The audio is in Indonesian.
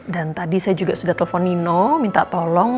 dan tadi saya juga sudah telepon nino minta tolong